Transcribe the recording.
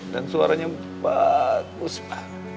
dan suaranya bagus mas